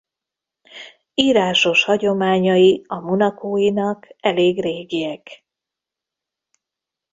Írásos hagyományai a monacóinak elég régiek.